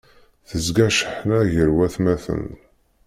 Tezga cceḥna gar watmaten.